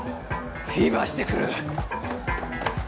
フィーバーしてくる。